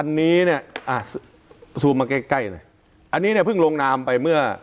อันนี้เนี่ยซูมมาใกล้ใกล้หน่อยอันนี้เนี่ยเพิ่งลงนามไปเมื่อ